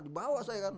di bawah saya kan